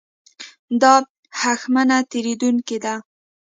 دا هښمه تېرېدونکې ده.